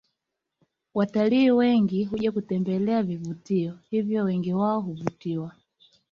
Watalii wengi huja kutembelea vivutio hivyo wengi wao huvutiwa